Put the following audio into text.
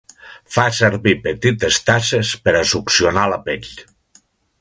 Fa servir petites tasses per a succionar la pell.